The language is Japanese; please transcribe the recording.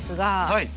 はい。